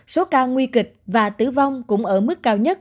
số ca nguy kịch và tử vong cũng ở mức cao nhất